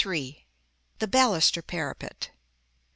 The Baluster Parapet.